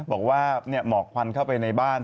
บอกว่าหมอกควันเข้าไปในบ้าน